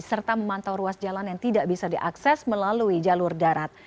serta memantau ruas jalan yang tidak bisa diakses melalui jalur darat